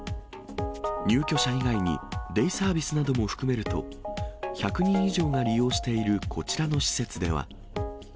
入居者以外にデイサービスなども含めると、１００人以上が利用しているこちらの施設では。